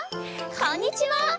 こんにちは！